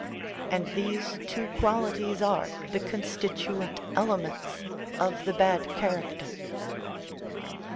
And these two qualities are the constituent elements of the bad character.